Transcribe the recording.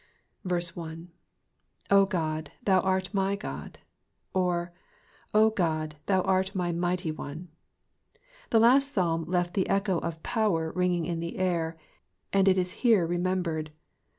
1. '*0 God, thou art my Ood;'' or, O God, thou art my Mighty One. The last Psalm left the echo of power wringing in the ear, and it is here remembered.